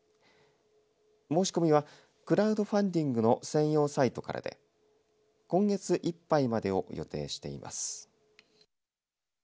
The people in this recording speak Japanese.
申し込みはクラウドファンディングの専用サイトからで今月いっぱいまでを予定しています。